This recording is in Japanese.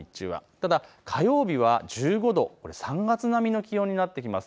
ただ火曜日は１５度、３月並みの気温になってきます。